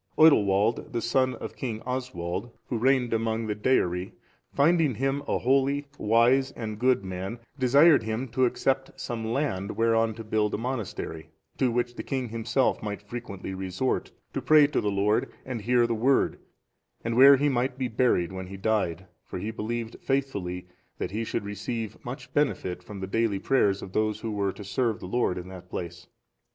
Oidilwald,(425) the son of King Oswald, who reigned among the Deiri, finding him a holy, wise, and good man, desired him to accept some land whereon to build a monastery, to which the king himself might frequently resort, to pray to the Lord and hear the Word, and where he might be buried when he died; for he believed faithfully that he should receive much benefit from the daily prayers of those who were to serve the Lord in that place.